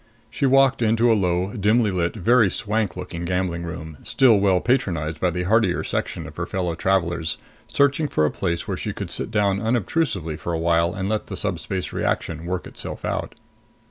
She walked into a low, dimly lit, very swank looking gambling room, still well patronized by the hardier section of her fellow travelers, searching for a place where she could sit down unobtrusively for a while and let the subspace reaction work itself out.